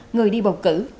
người đi bầu cử